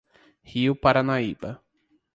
Rio Paranaíba